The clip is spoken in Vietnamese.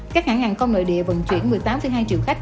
các hãng hàng không nội địa vận chuyển một mươi tám hai triệu khách